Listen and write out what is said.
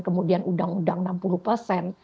kemudian uu enam puluh persen